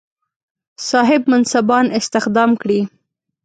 صاحب منصبان استخدام کړي.